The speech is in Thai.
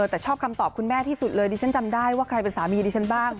แต่ชอบคำตอบคุณแม่ที่สุดเลยดิฉันจำได้ว่าใครเป็นสามีดิฉันบ้าง